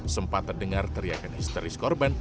sempat terdengar teriakan histeris korban